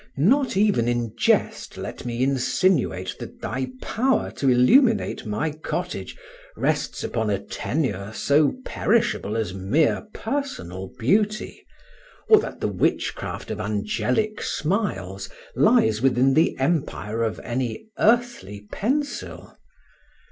not even in jest let me insinuate that thy power to illuminate my cottage rests upon a tenure so perishable as mere personal beauty, or that the witchcraft of angelic smiles lies within the empire of any earthly pencil.